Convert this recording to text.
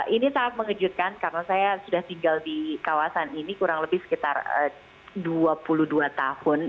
ini sangat mengejutkan karena saya sudah tinggal di kawasan ini kurang lebih sekitar dua puluh dua tahun